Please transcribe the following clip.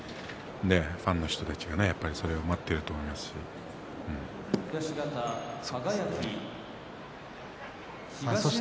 ファンの人たちがそれを持っていると思いますし。